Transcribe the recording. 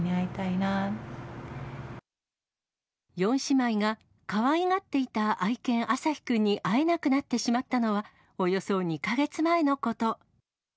四姉妹がかわいがっていた愛犬、あさひくんに会えなくなってしまったのはおよそ２か月前のこと。